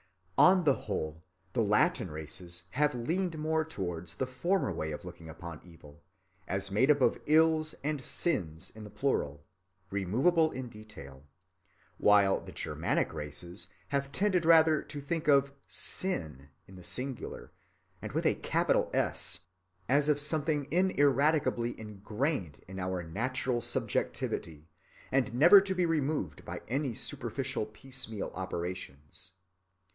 On the whole, the Latin races have leaned more towards the former way of looking upon evil, as made up of ills and sins in the plural, removable in detail; while the Germanic races have tended rather to think of Sin in the singular, and with a capital S, as of something ineradicably ingrained in our natural subjectivity, and never to be removed by any superficial piecemeal operations.